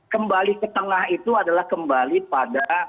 kembali ke tengah itu adalah kembali pada